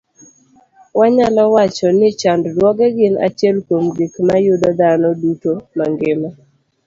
Wanyalo wacho ni chandruoge gin achiel kuom gik ma yudo dhano duto mangima